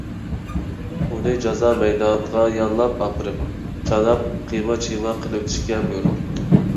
ئۇنى جازا مەيدانىغا يالاپ ئاپىرىپ، چاناپ قىيما - چىيما قىلىۋېتىشكە بۇيرۇدى.